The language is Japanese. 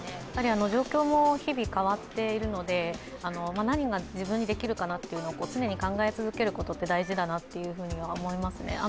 状況も日々変わっているので、何が自分にできるかなっていうのは常に考え続けることは大事だなと思いますね。